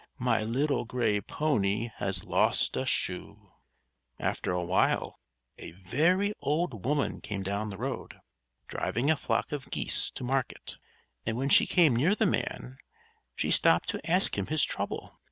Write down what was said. My little gray pony has lost a shoe_!" After a while a very old woman came down the road, driving a flock of geese to market; and when she came near the man, she stopped to ask him his trouble.